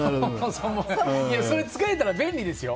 それ使えたら便利ですよ。